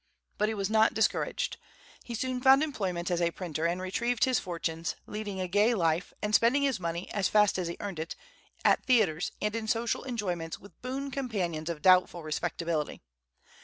But he was not discouraged. He soon found employment as a printer and retrieved his fortunes, leading a gay life, and spending his money, as fast as he earned it, at theatres and in social enjoyments with boon companions of doubtful respectability.